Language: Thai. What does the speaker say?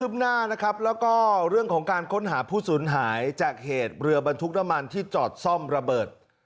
หน้านะครับแล้วก็เรื่องของการค้นหาผู้สูญหายจากเหตุเรือบรรทุกน้ำมันที่จอดซ่อมระเบิด